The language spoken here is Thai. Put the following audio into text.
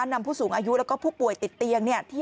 นำผู้สูงอายุแล้วก็ผู้ป่วยติดเตียง